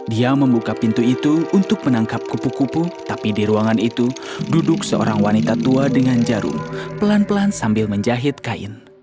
dia membuka pintu itu untuk menangkap kupu kupu tapi di ruangan itu duduk seorang wanita tua dengan jarum pelan pelan sambil menjahit kain